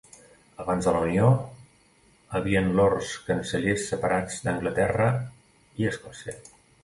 Abans de la Unió, havien Lords cancellers separats d'Anglaterra i Escòcia.